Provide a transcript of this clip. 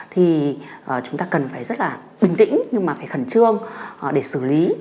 thì chúng ta cần phải rất là bình tĩnh nhưng mà phải khẩn trương để xử lý